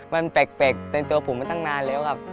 มันแปลกเต็มตัวผมมาตั้งนานแล้วครับ